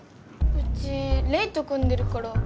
うちレイと組んでるから。